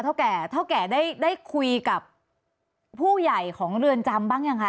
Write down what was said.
เท่าแก่ได้คุยกับผู้ใหญ่ของเรือนจำบ้างยังคะ